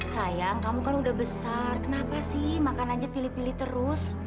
sayang kamu kan udah besar kenapa sih makan aja pilih pilih terus